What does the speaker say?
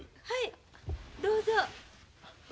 はいどうぞ。